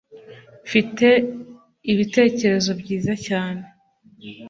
Mfite ibitekerezo byiza cyane